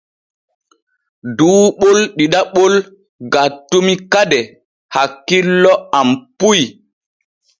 Duu ɓol ɗiɗaɓol gattumi kade hakkilo am puy.